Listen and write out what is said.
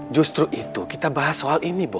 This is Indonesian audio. justru itu kita bahas soal ini bu